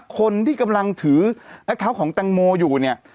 คนที่กำลังถือและเท้าของแตงโมอยู่เนี่ย